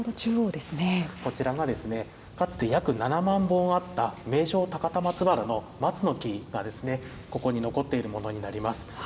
こちらはかつて約７万本あった名勝、高田松原の松の木がここに残っているものになります。